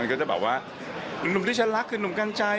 ก็จะแบบว่าหนุ่มที่ฉันรักคือหนุ่มกัญชัย